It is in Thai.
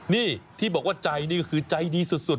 นี่ที่บอกว่าใจนี่ก็คือใจดีสุด